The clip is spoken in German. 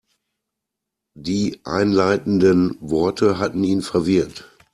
Die einleitenden Worte hatten ihn verwirrt.